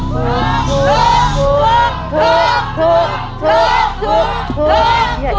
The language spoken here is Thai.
ถูกถูกถูกถูกถูกถูกถูกถูกถูกถูก